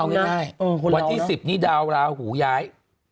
เอาง่ายวันที่๑๐นี่ดาวราหูย้าย